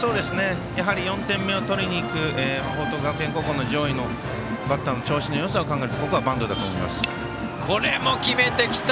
やはり４点目を取りにいく報徳学園高校の上位のバッターの調子のよさを考えるとこれも決めてきた。